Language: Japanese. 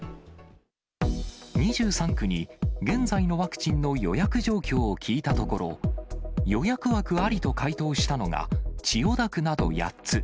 ２３区に現在のワクチンの予約状況を聞いたところ、予約枠ありと回答したのが千代田区など８つ。